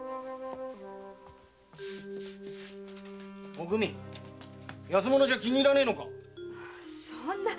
おくみ安物じゃ気に入らねえのか⁉そんな！